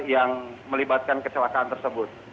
yang melibatkan kecelakaan tersebut